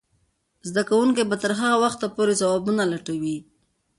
زده کوونکې به تر هغه وخته پورې ځوابونه لټوي.